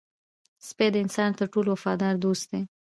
سپي د انسان تر ټولو وفادار دوست دی.